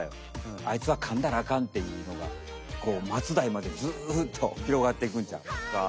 あいつはかんだらあかんっていうのがこうまつだいまでずっとひろがっていくんちゃう？